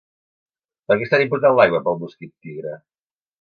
Per què és tan important l’aigua per al mosquit tigre?